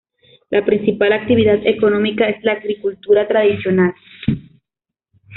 La principal actividad económica es la agricultura tradicional.